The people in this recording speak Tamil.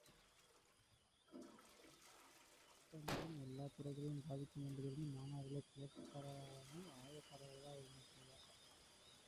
அப்பஞ்சம் எல்லாத் துறைகளையும் பாதிக்கும என்று தெரிந்து மாணவர்களைக் கிளர்ச்சிக்காரர்களாக்காமல், ஆயத்தக்காரர்களாக இயங்கச் செய்தார்.